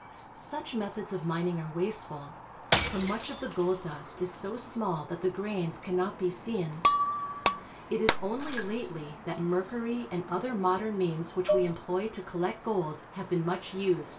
Such methods of min ing are wasteful, for much of the gold dust is so small that the grains cannot be seen. It is only lately that mercury and other rnodern means which we employ to collect gold have been much used.